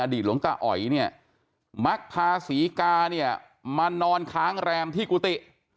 หลวงตาอ๋อยเนี่ยมักพาศรีกาเนี่ยมานอนค้างแรมที่กุฏิ